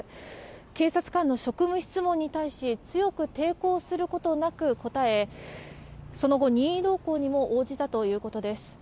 警察官の職務質問に対し、強く抵抗することなく答え、その後、任意同行にも応じたということです。